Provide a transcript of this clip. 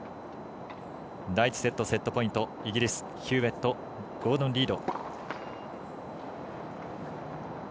第１セット、セットポイントイギリス、ヒューウェットゴードン・リード。